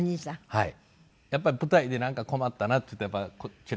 はい。